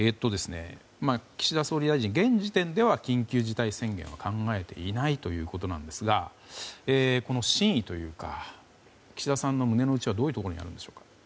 岸田総理大臣、現時点では緊急事態宣言は考えていないということですがこの真意というか岸田さんの胸の内はどういうところにあるんでしょうか。